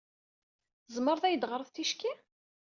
Tzemreḍ ad iyi-d-teɣreḍ ticki?